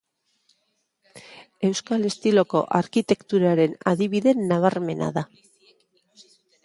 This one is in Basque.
Euskal estiloko arkitekturaren adibide nabarmena da.